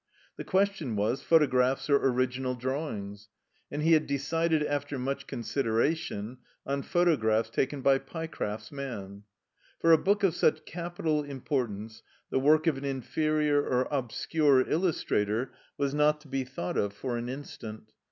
The question was: photographs or original drawings? And he had decided, after much consideration, on photographs taken by Pyecraft's man. For a book of such capital importance the work of an inferior or obscure illustrator was not to be thought of for an instant.